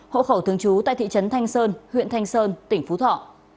hộ khẩu thường trú tại thị trấn thanh sơn huyện thanh sơn tỉnh phú thọ